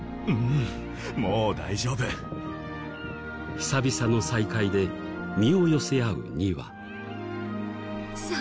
久々の再会で身を寄せ合う２羽。